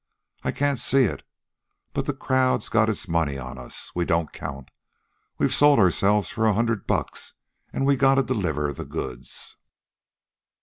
I can't see it. But the crowd's got its money on us. We don't count. We've sold ourselves for a hundred bucks, an' we gotta deliver the goods.